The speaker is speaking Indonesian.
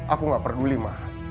aku gak peduli ma